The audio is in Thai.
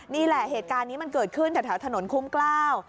นี่แหละเหตุการณ์นี้มันเกิดขึ้นแถวถนนคุ้มกล้า